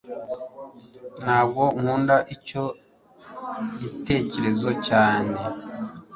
ntabwo nkunda icyo gitekerezo cyane